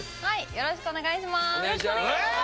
よろしくお願いします。